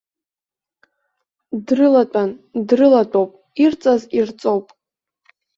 Дрылатәан, дрылатәоуп, ирҵаз ирҵоуп.